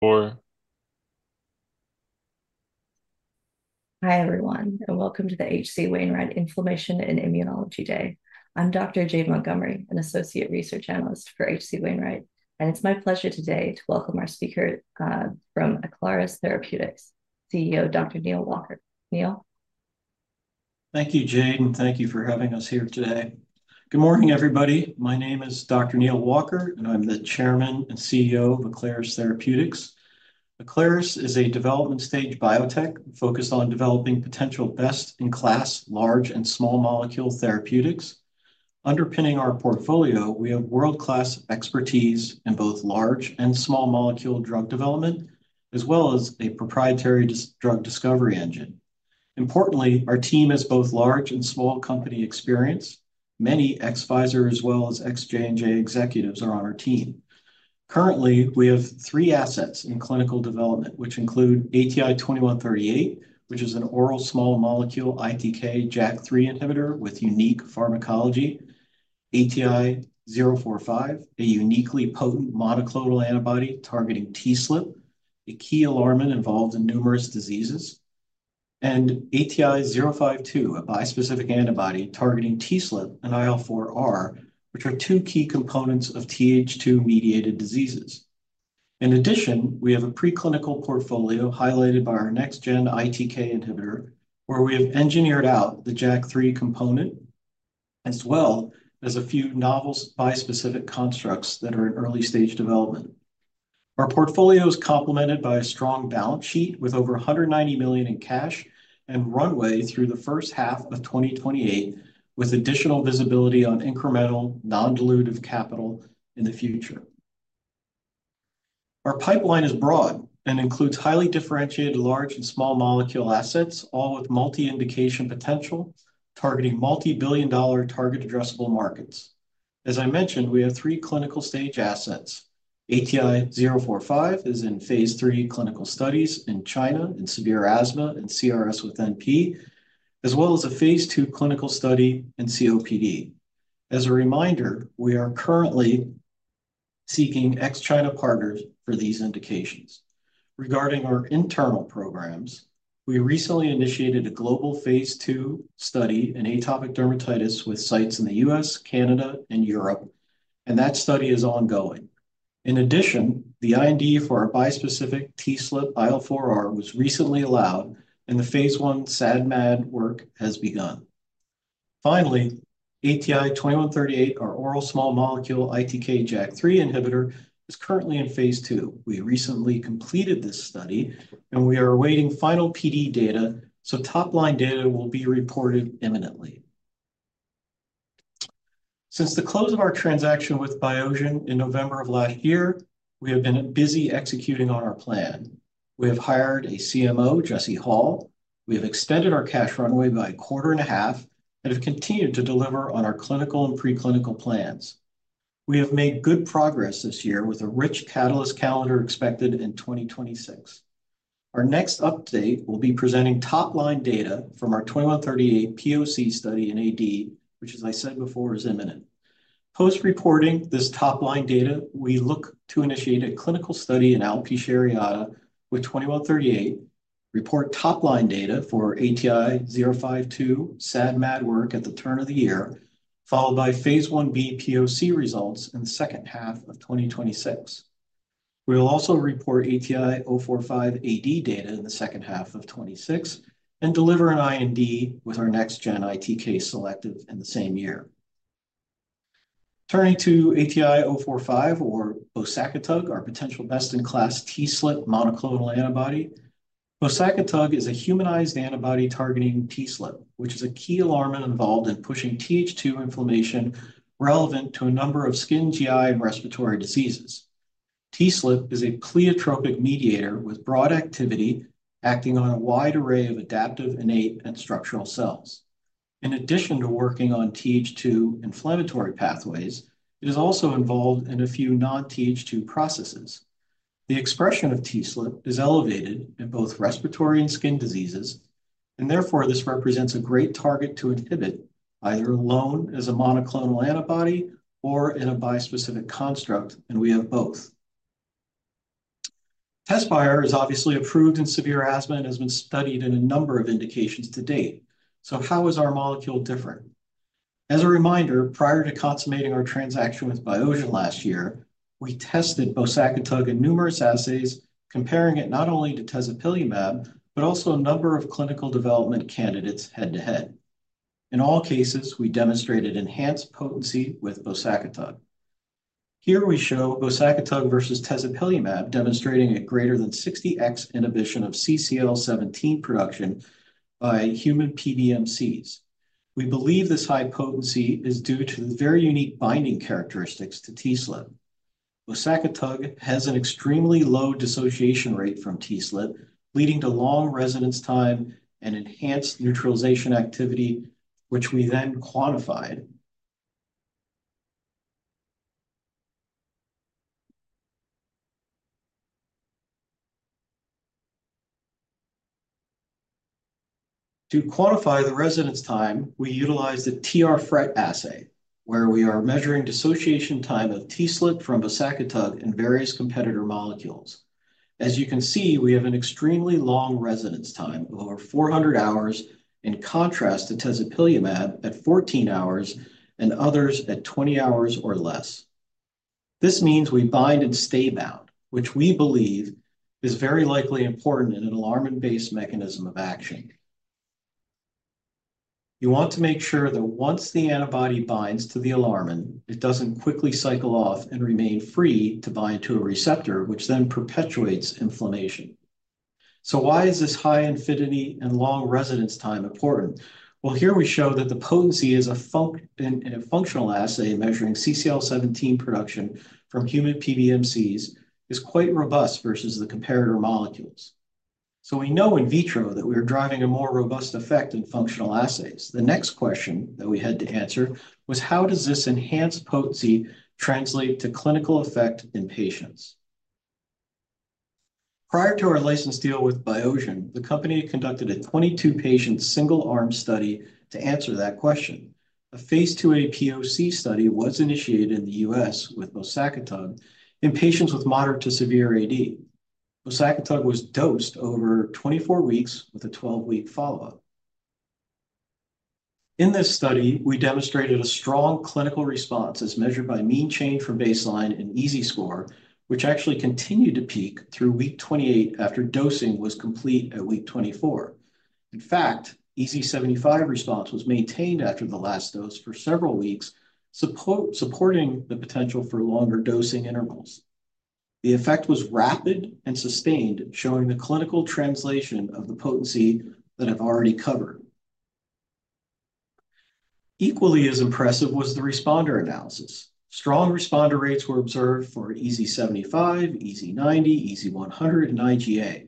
For. Hi everyone, and welcome to the H.C. Wainwright Inflammation and Immunology Day. I'm Dr. Jade Montgomery, an Associate Research Analyst for H.C. Wainwright, and it's my pleasure today to welcome our speaker from Aclaris Therapeutics, CEO Dr. Neal Walker. Neal? Thank you, Jade, and thank you for having us here today. Good morning, everybody. My name is Dr. Neal Walker, and I'm the Chairman and CEO of Aclaris Therapeutics. Aclaris is a development stage biotech focused on developing potential best-in-class large and small molecule therapeutics. Underpinning our portfolio, we have world-class expertise in both large and small molecule drug development, as well as a proprietary drug discovery engine. Importantly, our team has both large and small company experience. Many ex-Pfizer as well as ex-J&J executives are on our team. Currently, we have three assets in clinical development, which include ATI-2138, which is an oral small molecule ITK JAK3 inhibitor with unique pharmacology; ATI-045, a uniquely potent monoclonal antibody targeting TSLP, a key alarm involved in numerous diseases; and ATI-052, a bispecific antibody targeting TSLP and IL-4R, which are two key components of TH2-mediated diseases. In addition, we have a preclinical portfolio highlighted by our next-gen ITK inhibitor, where we have engineered out the JAK3 component, as well as a few novel bispecific constructs that are in early-stage development. Our portfolio is complemented by a strong balance sheet with over $190 million in cash and runway through the first half of 2028, with additional visibility on incremental non-dilutive capital in the future. Our pipeline is broad and includes highly differentiated large and small molecule assets, all with multi-indication potential targeting multi-billion dollar target addressable markets. As I mentioned, we have three clinical stage assets. ATI-045 is in phase III clinical studies in China in severe asthma and CRS with NP, as well as a phase II clinical study in COPD. As a reminder, we are currently seeking ex-China partners for these indications. Regarding our internal programs, we recently initiated a global phase II study in atopic dermatitis with sites in the U.S., Canada, and Europe, and that study is ongoing. In addition, the IND for our bispecific TSLP IL-4R was recently allowed, and the phase I SAD/MAD work has begun. Finally, ATI-2138, our oral small molecule ITK JAK3 inhibitor, is currently in phase II. We recently completed this study, and we are awaiting final PD data, so top-line data will be reported imminently. Since the close of our transaction with Biogen in November of last year, we have been busy executing on our plan. We have hired a CMO, Jesse Hall. We have extended our cash runway by a quarter and a half and have continued to deliver on our clinical and preclinical plans. We have made good progress this year with a rich catalyst calendar expected in 2026. Our next update will be presenting top-line data from our 2138 POC study in AD, which, as I said before, is imminent. Post-reporting this top-line data, we look to initiate a clinical study in alopecia areata with 2138, report top-line data for ATI-052 SAD/MAD work at the turn of the year, followed by phase I B POC results in the second half of 2026. We will also report ATI-045 AD data in the second half of 2026 and deliver an IND with our next-gen ITK selective in the same year. Turning to ATI-045, or bosakitug, our potential best-in-class TSLP monoclonal antibody. Bosakitug is a humanized antibody targeting TSLP, which is a key alarm involved in pushing TH2 inflammation relevant to a number of skin, GI, and respiratory diseases. TSLP is a pleiotropic mediator with broad activity acting on a wide array of adaptive, innate, and structural cells. In addition to working on TH2 inflammatory pathways, it is also involved in a few non-TH2 processes. The expression of TSLP is elevated in both respiratory and skin diseases, and therefore this represents a great target to inhibit either alone as a monoclonal antibody or in a bispecific construct, and we have both. Tezepelumab is obviously approved in severe asthma and has been studied in a number of indications to date. How is our molecule different? As a reminder, prior to consummating our transaction with Biogen last year, we tested bosakitug in numerous assays, comparing it not only to tezepelumab, but also a number of clinical development candidates head-to-head. In all cases, we demonstrated enhanced potency with bosakitug. Here we show bosakitug versus tezepelumab demonstrating a greater than 60x inhibition of CCL17 production by human PBMCs. We believe this high potency is due to the very unique binding characteristics to TSLP. Bosakitug has an extremely low dissociation rate from TSLP, leading to long residence time and enhanced neutralization activity, which we then quantified. To quantify the residence time, we utilize the TR-FRET assay, where we are measuring dissociation time of TSLP from bosakitug in various competitor molecules. As you can see, we have an extremely long residence time of over 400 hours, in contrast to tezepelumab at 14 hours and others at 20 hours or less. This means we bind and stay bound, which we believe is very likely important in an alarm-based mechanism of action. You want to make sure that once the antibody binds to the alarmin, it does not quickly cycle off and remain free to bind to a receptor, which then perpetuates inflammation. Why is this high affinity and long residence time important? Here we show that the potency in a functional assay measuring CCL17 production from human PBMCs is quite robust versus the comparator molecules. We know in vitro that we are driving a more robust effect in functional assays. The next question that we had to answer was, how does this enhanced potency translate to clinical effect in patients? Prior to our license deal with Biogen, the company conducted a 22-patient single-arm study to answer that question. A phase II A POC study was initiated in the U.S. with bosakitug in patients with moderate to severe AD. Bosakitug was dosed over 24 weeks with a 12-week follow-up. In this study, we demonstrated a strong clinical response as measured by mean change from baseline and EZ score, which actually continued to peak through week 28 after dosing was complete at week 24. In fact, EZ75 response was maintained after the last dose for several weeks, supporting the potential for longer dosing intervals. The effect was rapid and sustained, showing the clinical translation of the potency that I've already covered. Equally as impressive was the responder analysis. Strong responder rates were observed for EZ75, EZ90, EZ100, and IGA.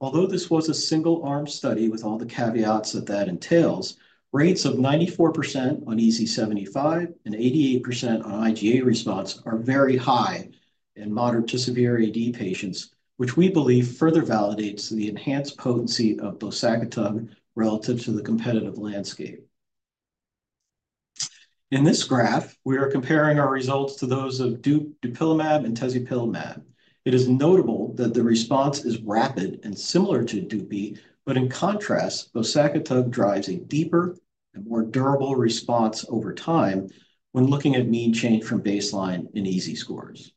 Although this was a single-arm study with all the caveats that that entails, rates of 94% on EZ75 and 88% on IGA response are very high in moderate to severe AD patients, which we believe further validates the enhanced potency of bosakitug relative to the competitive landscape. In this graph, we are comparing our results to those of dupilumab and tezepelumab. It is notable that the response is rapid and similar to dupi, but in contrast, bosakitug drives a deeper and more durable response over time when looking at mean change from baseline and EZ scores.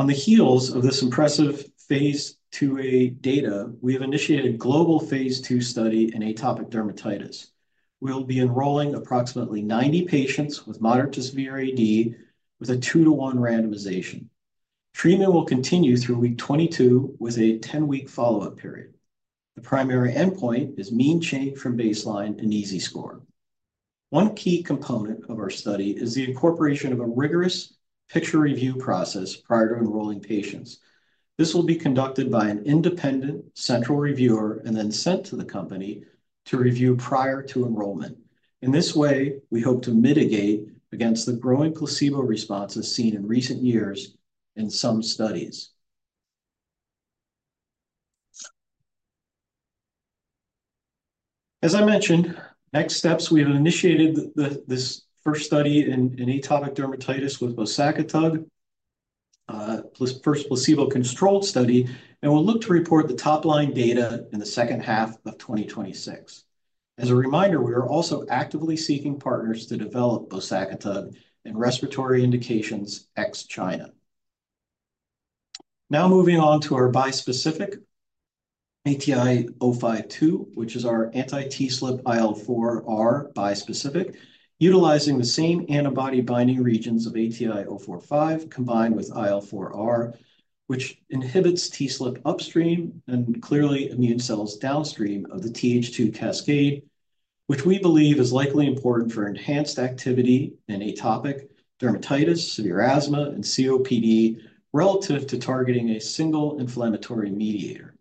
On the heels of this impressive phase II A data, we have initiated a global phase II study in atopic dermatitis. We will be enrolling approximately 90 patients with moderate to severe AD with a two-to-one randomization. Treatment will continue through week 22 with a 10-week follow-up period. The primary endpoint is mean change from baseline and EZ score. One key component of our study is the incorporation of a rigorous picture review process prior to enrolling patients. This will be conducted by an independent central reviewer and then sent to the company to review prior to enrollment. In this way, we hope to mitigate against the growing placebo responses seen in recent years in some studies. As I mentioned, next steps, we have initiated this first study in atopic dermatitis with bosakitug, first placebo-controlled study, and we'll look to report the top-line data in the second half of 2026. As a reminder, we are also actively seeking partners to develop bosakitug in respiratory indications ex-China. Now moving on to our bispecific ATI-052, which is our anti-TSLP IL-4R bispecific, utilizing the same antibody binding regions of ATI-045 combined with IL-4R, which inhibits TSLP upstream and clearly immune cells downstream of the TH2 cascade, which we believe is likely important for enhanced activity in atopic dermatitis, severe asthma, and COPD relative to targeting a single inflammatory mediator.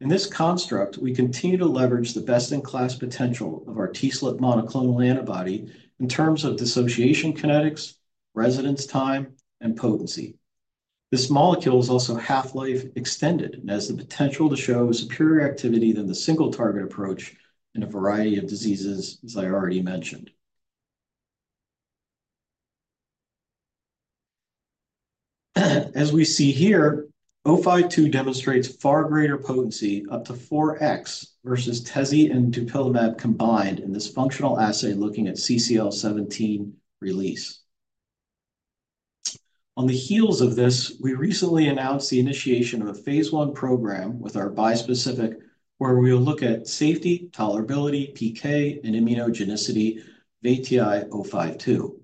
In this construct, we continue to leverage the best-in-class potential of our TSLP monoclonal antibody in terms of dissociation kinetics, residence time, and potency. This molecule is also half-life extended and has the potential to show superior activity than the single-target approach in a variety of diseases, as I already mentioned. As we see here, 052 demonstrates far greater potency, up to 4x versus tezepelumab and dupilumab combined in this functional assay looking at CCL17 release. On the heels of this, we recently announced the initiation of a phase I program with our bispecific, where we will look at safety, tolerability, PK, and immunogenicity of ATI-052.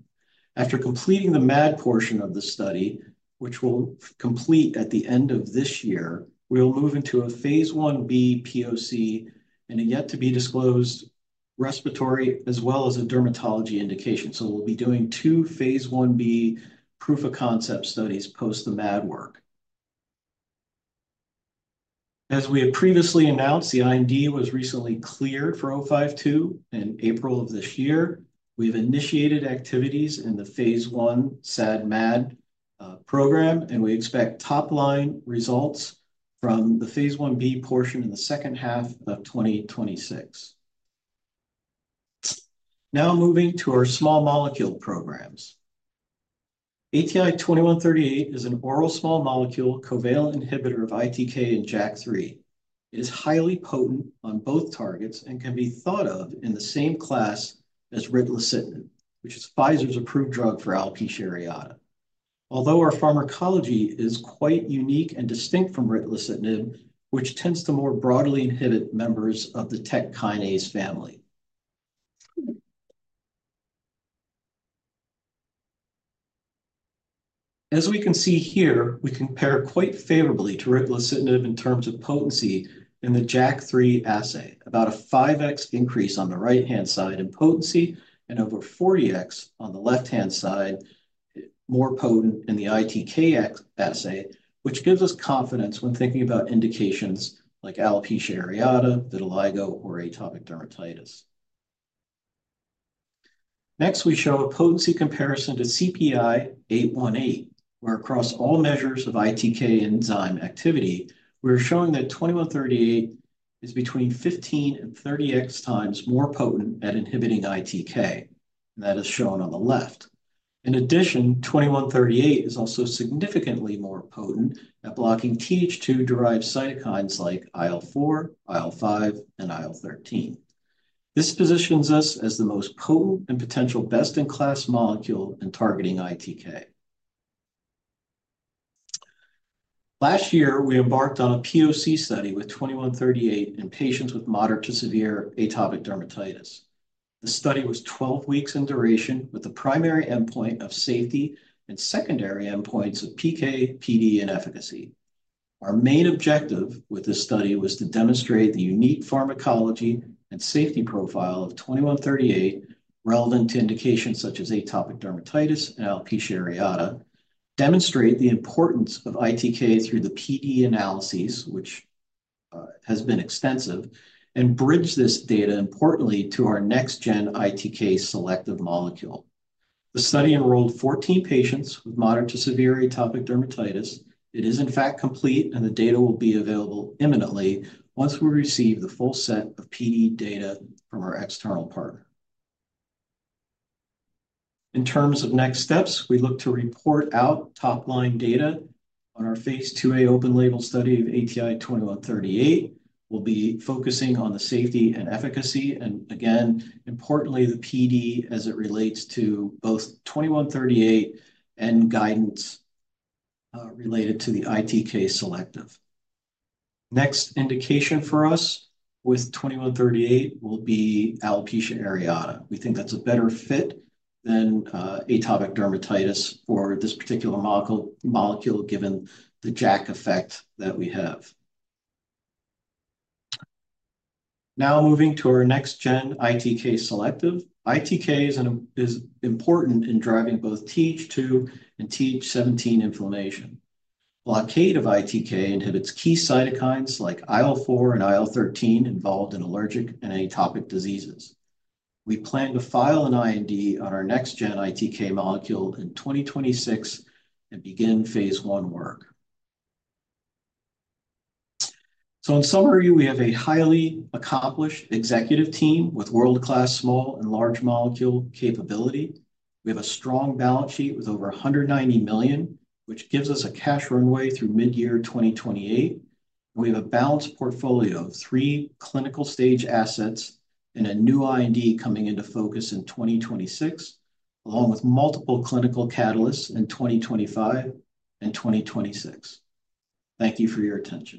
After completing the MAD portion of the study, which we'll complete at the end of this year, we will move into a phase I B POC in a yet-to-be-disclosed respiratory as well as a dermatology indication. We will be doing two phase I B proof-of-concept studies post the MAD work. As we have previously announced, the IND was recently cleared for 052 in April of this year. We have initiated activities in the phase I SAD/MAD program, and we expect top-line results from the phase I B portion in the second half of 2026. Now moving to our small molecule programs. ATI-2138 is an oral small molecule covalent inhibitor of ITK and JAK3. It is highly potent on both targets and can be thought of in the same class as ritlecitinib, which is Pfizer's approved drug for alopecia areata. Although our pharmacology is quite unique and distinct from ritlecitinib, which tends to more broadly inhibit members of the TEC kinase family. As we can see here, we compare quite favorably to ritlecitinib in terms of potency in the JAK3 assay, about a 5x increase on the right-hand side in potency and over 40x on the left-hand side, more potent in the ITK assay, which gives us confidence when thinking about indications like alopecia areata, vitiligo, or atopic dermatitis. Next, we show a potency comparison to CPI 818, where across all measures of ITK enzyme activity, we're showing that 2138 is between 15x and 30x more potent at inhibiting ITK, and that is shown on the left. In addition, 2138 is also significantly more potent at blocking TH2-derived cytokines like IL-4, IL-5, and IL-13. This positions us as the most potent and potential best-in-class molecule in targeting ITK. Last year, we embarked on a POC study with 2138 in patients with moderate to severe atopic dermatitis. The study was 12 weeks in duration with the primary endpoint of safety and secondary endpoints of PK, PD, and efficacy. Our main objective with this study was to demonstrate the unique pharmacology and safety profile of 2138 relevant to indications such as atopic dermatitis and alopecia areata, demonstrate the importance of ITK through the PD analyses, which has been extensive, and bridge this data importantly to our next-gen ITK selective molecule. The study enrolled 14 patients with moderate to severe atopic dermatitis. It is in fact complete, and the data will be available imminently once we receive the full set of PD data from our external partner. In terms of next steps, we look to report out top-line data on our phase II A open-label study of ATI-2138. We'll be focusing on the safety and efficacy, and again, importantly, the PD as it relates to both 2138 and guidance related to the ITK selective. Next indication for us with 2138 will be alopecia areata. We think that's a better fit than atopic dermatitis for this particular molecule given the JAK effect that we have. Now moving to our next-gen ITK selective. ITK is important in driving both TH2 and TH17 inflammation. Blockade of ITK inhibits key cytokines like IL-4 and IL-13 involved in allergic and atopic diseases. We plan to file an IND on our next-gen ITK molecule in 2026 and begin phase I work. In summary, we have a highly accomplished executive team with world-class small and large molecule capability. We have a strong balance sheet with over $190 million, which gives us a cash runway through mid-year 2028. We have a balanced portfolio of three clinical stage assets and a new IND coming into focus in 2026, along with multiple clinical catalysts in 2025 and 2026. Thank you for your attention.